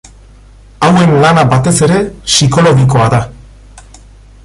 Hauen lana batez ere psikologikoa da.